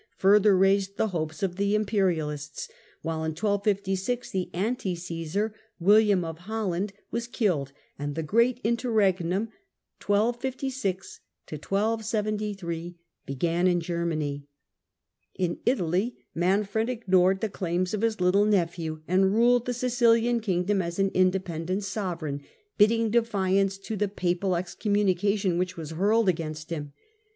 further raised the hopes of the imperialists, while in 1256 the "anti Caesar," William of Holland, was killed, and the " Great Interregnum " began in Germany. In Italy Manfred ignored the claims of his little nephew, and ruled the Sicilian kingdom as an independent sovereign, bidding defiance to the papal excommunication which was hurled against him.